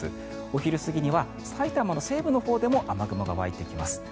お昼過ぎには埼玉の西部のほうでも雨雲が湧いてきます。